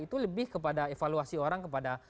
itu lebih kepada evaluasi orang kepada